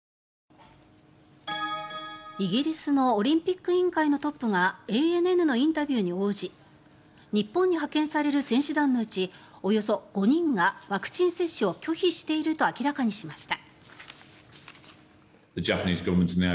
イギリスのオリンピック委員会のトップがＡＮＮのインタビューに応じ日本に派遣される選手団のうちおよそ５人がワクチン接種を拒否していると明らかにしました。